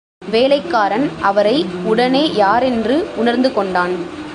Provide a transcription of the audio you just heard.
வேலைக்காரன் அவரை உடனே யாரென்று உணர்ந்து கொண்டான்.